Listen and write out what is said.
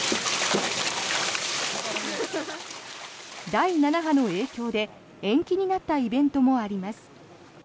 第７波の影響で延期になったイベントもあります。